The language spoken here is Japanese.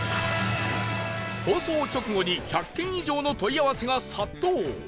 放送直後に１００件以上の問い合わせが殺到！